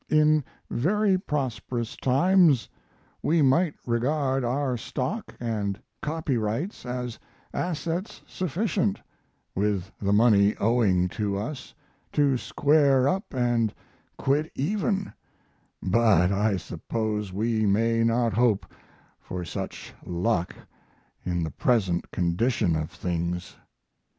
In very prosperous times we might regard our stock & copyrights as assets sufficient, with the money owing to us, to square up & quit even, but I suppose we may not hope for such luck in the present condition of things.